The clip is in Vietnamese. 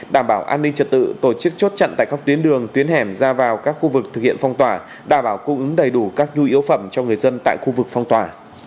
đảm bảo an ninh trật tự tổ chức chốt chặn tại các tuyến đường tuyến hẻm ra vào các khu vực thực hiện phong tỏa đảm bảo cung ứng đầy đủ các nhu yếu phẩm cho người dân tại khu vực phong tỏa